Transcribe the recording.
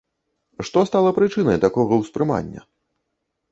Што стала прычынай такога ўспрымання?